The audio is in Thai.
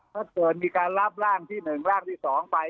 ถ้าเกิดมีการรับร่างที่๑ร่างที่๒ไป